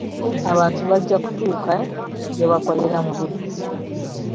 Abantu bajja kutuuka gye bakolera mu budde.